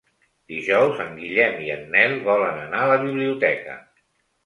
Dijous en Guillem i en Nel volen anar a la biblioteca.